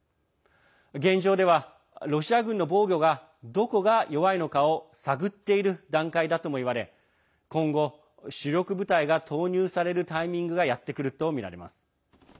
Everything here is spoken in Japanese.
現状では、ロシア軍の防御がどこが弱いのかを探っている段階だともいわれ今後、主力部隊が投入されるタイミングがやってくるとみられます。